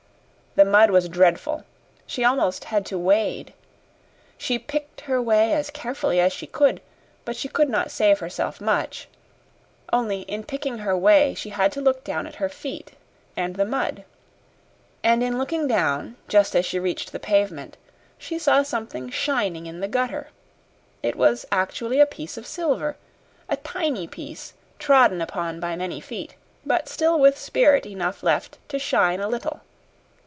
The mud was dreadful she almost had to wade. She picked her way as carefully as she could, but she could not save herself much; only, in picking her way, she had to look down at her feet and the mud, and in looking down just as she reached the pavement she saw something shining in the gutter. It was actually a piece of silver a tiny piece trodden upon by many feet, but still with spirit enough left to shine a little.